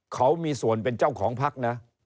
เขามีส่วนเป็นเจ้าของพักนะ